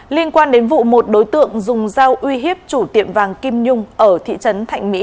liên quan đến vụ một đối tượng dùng dao uy hiếp chủ tiệm vàng kim nhung ở thị trấn thạnh mỹ